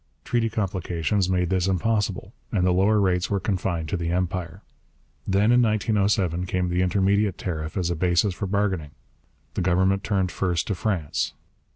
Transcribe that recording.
Treaty complications made this impossible, and the lower rates were confined to the Empire. Then in 1907 came the intermediate tariff as a basis for bargaining. The Government turned first to France.